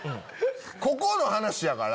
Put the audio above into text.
ここの話やから！